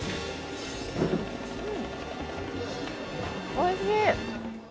おいしい！